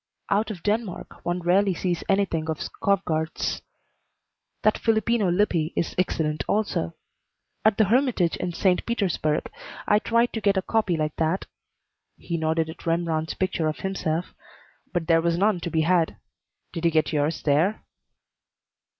"Out of Denmark one rarely sees anything of Skovgaard's. That Filipinno Lippi is excellent, also. At the Hermitage in St. Petersburg I tried to get a copy like that" he nodded at Rembrandt's picture of himself "but there was none to be had. Did you get yours there?"